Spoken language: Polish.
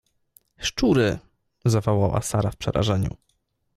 — Szczury! — zawołała Sara w przerażeniu.